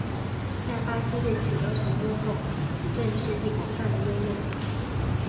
在巴西队取得成功后此阵式亦广泛地应用。